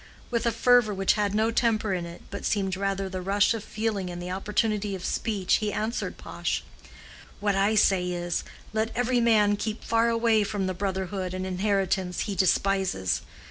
With a fervor which had no temper in it, but seemed rather the rush of feeling in the opportunity of speech, he answered Pash:, "What I say is, let every man keep far away from the brotherhood and inheritance he despises.